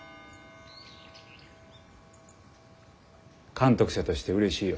監督者としてうれしいよ。